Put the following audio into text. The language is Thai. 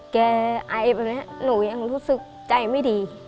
ไอแบบนี้หนูยังรู้สึกใจไม่ดี